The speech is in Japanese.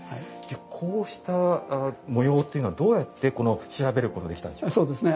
こうした模様っていうのはどうやって調べることできたんでしょうか？